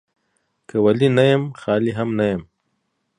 که ولي نه يم ، خالي هم نه يم.